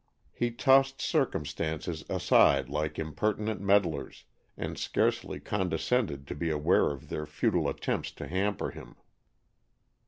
He tossed circumstances aside like impertinent meddlers, and scarcely condescended to be aware of their futile attempts to hamper him.